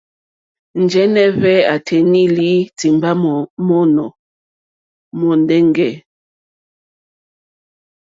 Njɛ̀nɛ̀ hvɛ a tanɛ̀i lì timba mono mondeŋge e.